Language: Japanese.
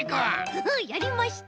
フフやりました。